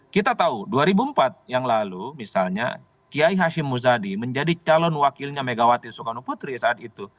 kita tahu dua ribu empat yang lalu misalnya kiai hashim muzadi menjadi calon wakilnya megawati soekarno putri saat itu